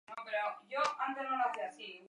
George para el cine.